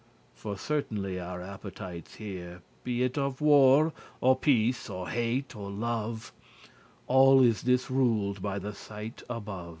*again For certainly our appetites here, Be it of war, or peace, or hate, or love, All is this ruled by the sight* above.